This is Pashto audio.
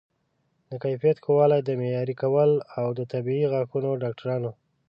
د کیفیت ښه والی معیاري کول او د طبي او غاښونو ډاکټرانو